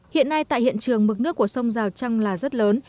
hiện nay tại hiện trường mực nước của sông rào trăng là rất lớn